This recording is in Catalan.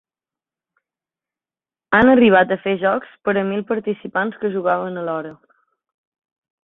Han arribat a fer jocs per a mil participants que jugaven alhora.